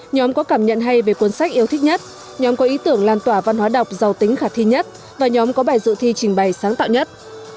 nhóm có cảm nhận hay về cuốn sách yêu thích nhất nhóm có ý tưởng lan tỏa văn hóa đọc giàu tính khả thi nhất và nhóm có bài dự thi trình bày sáng tạo nhất